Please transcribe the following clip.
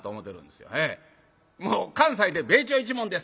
もう関西で「米朝一門です」